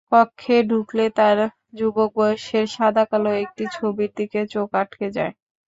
কক্ষে ঢুকলে তাঁর যুবক বয়সের সাদাকালো একটি ছবির দিকে চোখ আটকে যায়।